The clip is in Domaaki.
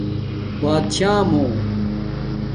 باتشاہ مُو